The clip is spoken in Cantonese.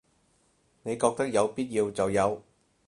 你覺得有必要就有